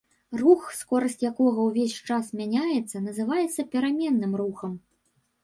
Рух, скорасць якога ўвесь час мяняецца, называецца пераменным рухам.